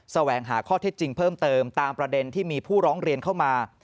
แหวงหาข้อเท็จจริงเพิ่มเติมตามประเด็นที่มีผู้ร้องเรียนเข้ามา